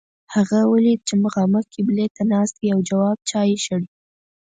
هغه ولید چې مخامخ قبلې ته ناست دی او جواب چای شړي.